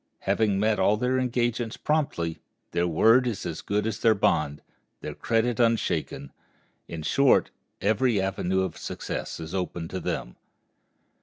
Having met all their engagements promptly, their word is as good as their bond, their credit unshaken; in short, every avenue of success is open to them.